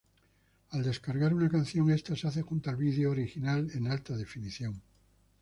Al descargar una canción esta se hace junto al video original en alta definición.